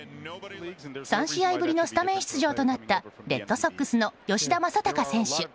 ３試合ぶりのスタメン出場となったレッドソックスの吉田正尚選手。